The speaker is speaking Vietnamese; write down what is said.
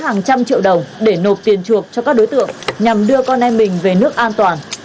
hàng trăm triệu đồng để nộp tiền chuộc cho các đối tượng nhằm đưa con em mình về nước an toàn